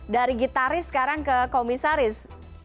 dari gitaris sekarang ke komisaris